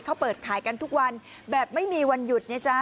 เขาเปิดขายกันทุกวันแบบไม่มีวันหยุดนะจ๊ะ